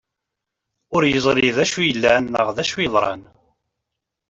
Ur yeẓri d acu yellan neɣ d acu yeḍran.